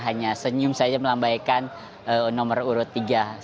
hanya senyum saja melambaikan nomor urut tiga sebagai jago nya tentu